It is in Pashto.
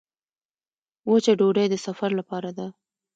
وچه ډوډۍ د سفر لپاره ده.